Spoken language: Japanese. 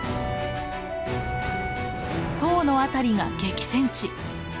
塔の辺りが激戦地。